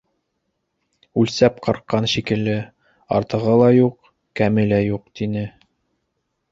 Үлсәп ҡырҡҡан шикелле — артығы ла юҡ, кәме лә юҡ, — тине.